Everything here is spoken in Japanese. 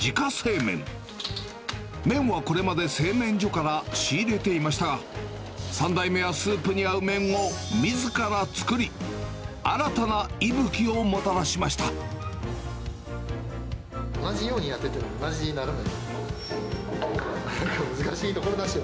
麺はこれまで製麺所から仕入れていましたが、３代目はスープに合う麺をみずから作り、新たな息吹をもたらしま同じようにやってても、同じにならないんですよね。